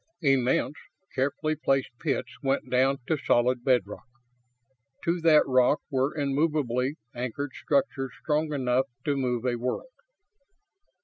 Immense, carefully placed pits went down to solid bedrock. To that rock were immovably anchored structures strong enough to move a world.